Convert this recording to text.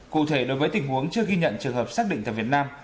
cụ thể đối với tình huống chưa ghi nhận trường hợp xác định tại việt nam